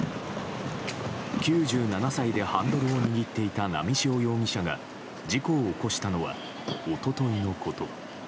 ９７歳でハンドルを握っていた波汐容疑者が事故を起こしたのは一昨日のこと。